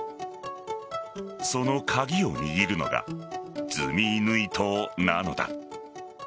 その鍵を握るのがズミイヌイ島なのだ。